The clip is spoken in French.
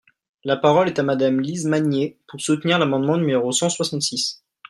La parole est à Madame Lise Magnier, pour soutenir l’amendement numéro cent soixante-six.